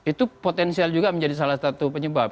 itu potensial juga menjadi salah satu penyebab